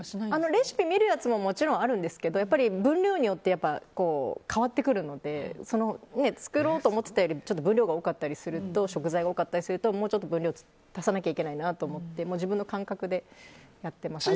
レシピ見るやつももちろんあるんですけど分量によって変わってくるので作ろうと思ってたよりちょっと分量が多かったりすると食材が多かったりすると分量を足さないといけないなって自分の感覚でやってました。